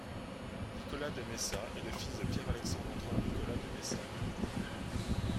Nicolas de Meissas est le fils de Pierre-Alexandre-Antoine Nicolas de Meissas.